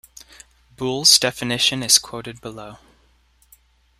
Boole's definition is quoted below.